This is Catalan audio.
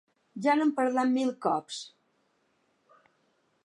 Ja n'hem parlat mil cops.